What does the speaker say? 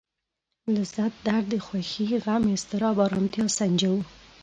لذت درد خوښي غم اضطراب ارامتيا سنجوو.